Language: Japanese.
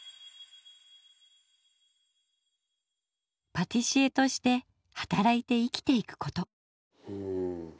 パティシエとして働いて生きていくこと。